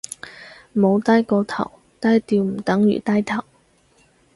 冇低過頭，低調唔等於低頭